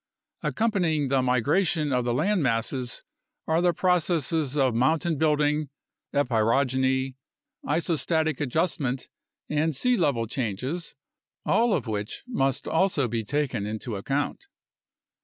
Accompanying the migration of the land masses are the processes of mountain building, epeirogeny, iso static adjustment, and sea level changes, all of which must also be taken into account.